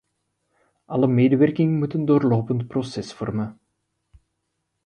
Alle medewerking moet een doorlopend proces vormen.